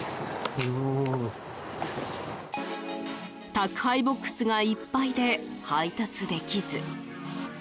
宅配ボックスがいっぱいで配達できず。